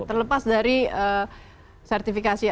terlepas dari sertifikasi